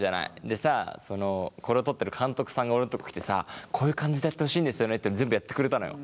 でさこれを撮ってる監督さんが俺のとこ来てさこういう感じでやってほしいんですよねって全部やってくれたのよ。